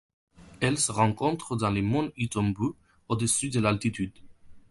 Elle se rencontre dans les monts Itombwe au-dessus de d'altitude.